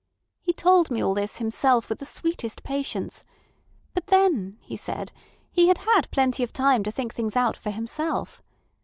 He told me all this himself with the sweetest patience; but then, he said, he had had plenty of time to think out things for himself.